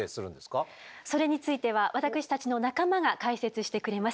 それについては私たちの仲間が解説してくれます。